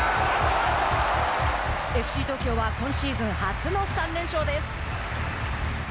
ＦＣ東京は、今シーズン初の３連勝です。